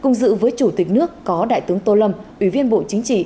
cùng dự với chủ tịch nước có đại tướng tô lâm ủy viên bộ chính trị